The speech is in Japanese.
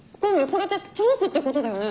これってチャンスってことだよね？